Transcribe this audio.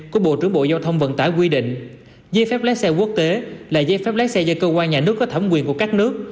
của bộ trưởng bộ giao thông vận tải quy định giấy phép lái xe quốc tế là giấy phép lái xe do cơ quan nhà nước có thẩm quyền của các nước